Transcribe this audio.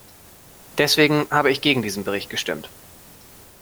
Deswegen habe ich gegen diesen Bericht gestimmt.